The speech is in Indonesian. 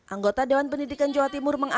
anggota dewan pendidikan jawa timur